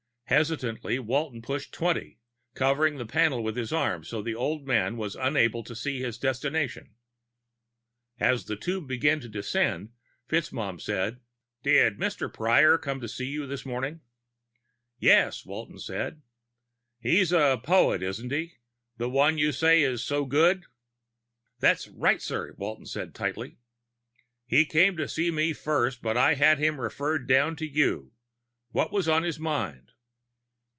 Hesitantly, Walton pushed twenty, covering the panel with his arm so the old man would be unable to see his destination. As the tube began to descend, FitzMaugham said, "Did Mr. Prior come to see you this morning?" "Yes," Walton said. "He's the poet, isn't he? The one you say is so good?" "That's right, sir," Walton said tightly. "He came to see me first, but I had him referred down to you. What was on his mind?"